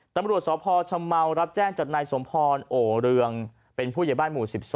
ตำรวจสพชำเมารับแจ้งจากนายสมพรโอเรืองเป็นผู้ใหญ่บ้านหมู่๑๒